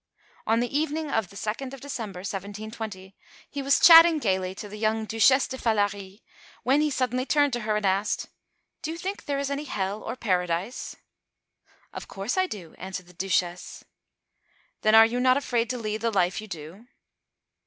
On the evening of 2nd December, 1720, he was chatting gaily to the young Duchesse de Falari, when he suddenly turned to her and asked: "Do you think there is any hell or Paradise?" "Of course I do," answered the Duchesse. "Then are you not afraid to lead the life you do?"